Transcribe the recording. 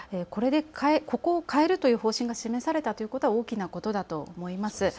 ここを変えるという方針が示されたということは大きなことだと思います。